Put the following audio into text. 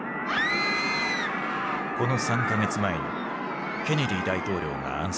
この３か月前にケネディ大統領が暗殺されていた。